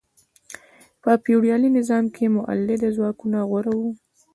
په فیوډالي نظام کې مؤلده ځواکونه غوره وو.